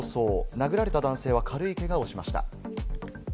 殴られた男性は軽いけがをしました。